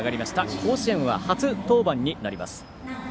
甲子園は初登板になります。